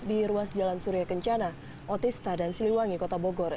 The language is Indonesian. di ruas jalan surya kencana otista dan siliwangi kota bogor